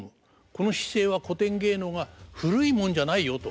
この姿勢は古典芸能が古いもんじゃないよと。